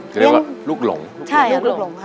คือเรียกว่าลูกหลงลูกหลงค่ะใช่ค่ะลูกหลง